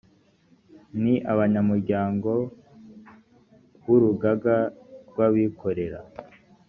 ni abanyamuryango b’urugaga rw’abikorera